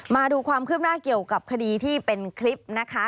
มาดูความคืบหน้าเกี่ยวกับคดีที่เป็นคลิปนะคะ